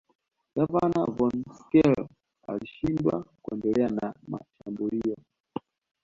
Gavana von Schele alishindwa kuendelea na mashambulio